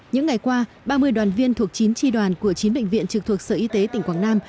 những ngày qua ba mươi đoàn viên thuộc chín tri đoàn của chín bệnh viện trực thuộc sở y tế tỉnh quảng nam